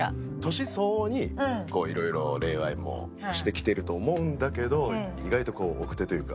年相応にいろいろ恋愛もしてきてると思うんだけど意外とこう奥手というか。